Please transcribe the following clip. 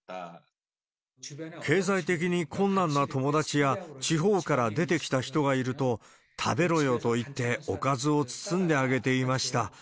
経済的に困難な友達や地方から出てきた人がいると、食べろよと言って、おかずを包んであげていました。